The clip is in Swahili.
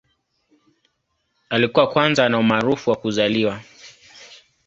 Alikuwa kwanza ana umaarufu wa kuzaliwa.